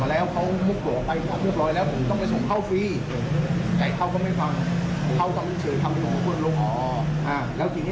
อ๋อแล้วทีนี้ผมบอกครั้งที่สองเหล้าพี่อย่าเอาไปนะครับแขกกองบลง